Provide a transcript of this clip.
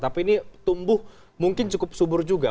tapi ini tumbuh mungkin cukup subur juga